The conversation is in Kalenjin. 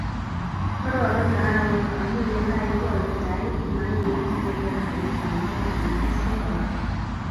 kororon kahawek omu yekaikool netai komaiwekchinigei kou bandek anan keswek alak